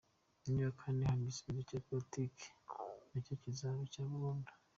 Niba kandi hari igisubizo cya politike, nacyo kizaba icya burundu.